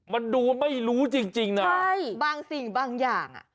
มันดูไม่รู้จริงน่ะใช่บางสิ่งบางอย่าง